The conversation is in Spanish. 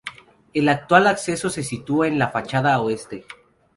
El actual acceso se sitúa en la fachada oeste.